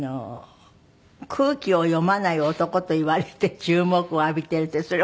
空気を読まない男といわれて注目を浴びてるってそれ